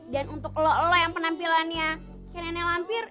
dan untuk lo lo yang penampilannya kenennya lampir